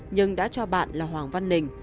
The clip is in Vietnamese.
nhưng đã cho bạn là hoàng văn nình